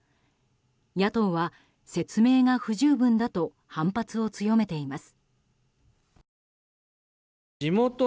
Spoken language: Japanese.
野党は説明が不十分だと反発を強めています。